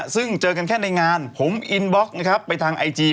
ซึ่งเจอกันแค่ในงานผมอินบล็อกไปทางไอจี